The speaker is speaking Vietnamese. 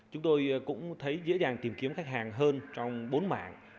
chúng tôi cũng thấy dễ dàng tìm kiếm khách hàng hơn trong bốn mảng